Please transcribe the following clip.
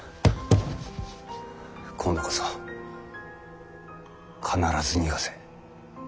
今度こそ必ず逃がせ。